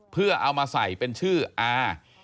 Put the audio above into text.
เพื่อเอามาใส่เป็นชื่ออา